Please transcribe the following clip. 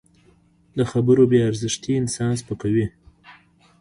د خبرو بې ارزښتي انسان سپکوي